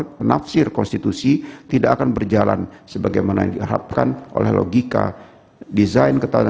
dan penafikan untuk perangkat yang diwenang untuk itu sebagaimana yang saat ini berada di tangan majelis kehormatan